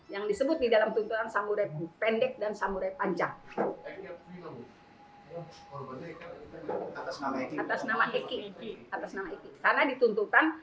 yang disebut di dalam tuntutan samurai pendek dan samurai panjang atas nama karena dituntutan